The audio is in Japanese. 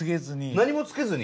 何もつけずに？